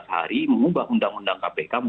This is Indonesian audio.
sebelas hari mengubah undang undang kpk